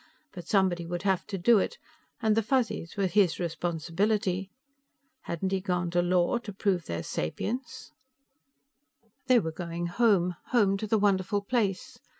But somebody would have to do it, and the Fuzzies were his responsibility. Hadn't he gone to law to prove their sapience? They were going home, home to the Wonderful Place.